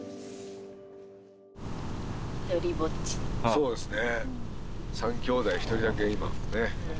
そうですね。